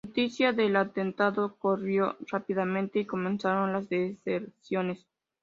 La noticia del atentado corrió rápidamente y comenzaron las deserciones.